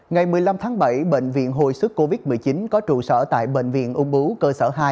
ngày một mươi năm tháng bảy bệnh viện hồi sức covid một mươi chín có trụ sở tại bệnh viện ung bú cơ sở hai